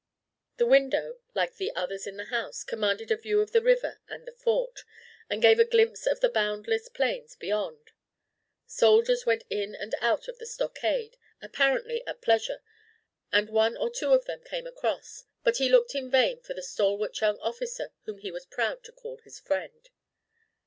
The window, like the others in the house, commanded a view of the river and the Fort, and gave a glimpse of the boundless plains beyond. Soldiers went in and out of the stockade, apparently at pleasure, and one or two of them came across, but he looked in vain for the stalwart young officer whom he was proud to call his friend.